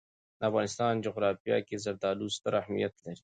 د افغانستان جغرافیه کې زردالو ستر اهمیت لري.